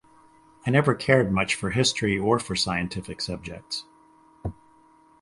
I never cared much for history or for scientific subjects.